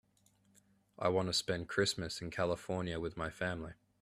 I want to spend Christmas in California with my family.